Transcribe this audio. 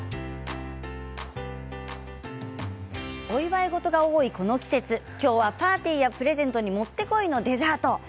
お祝い事が多い、この季節きょうはパーティーやプレゼントにもってこいのデザート。